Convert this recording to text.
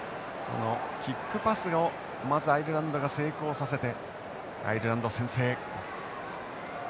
キックパスをまずアイルランドが成功させてアイルランド先制。